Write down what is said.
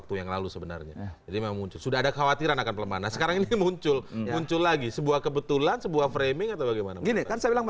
kalau anak anak sekarang bilang